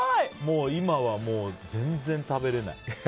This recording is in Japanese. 今はもう、全然食べれない。